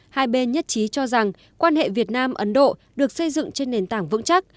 hai bên nhất trí cho rằng quan hệ việt nam ấn độ được xây dựng trên nền tảng vững chắc